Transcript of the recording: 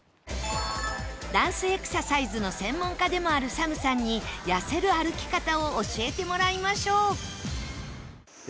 ダンスエクササイズの専門家でもある ＳＡＭ さんに痩せる歩き方を教えてもらいましょう